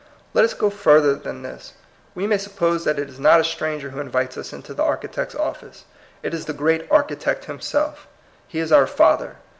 Let us go further than this. We may suppose that it is not a stranger who in vites us into the Architect's office. It is the great Architect himself; he is our Father.